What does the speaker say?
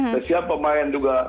kesian pemain juga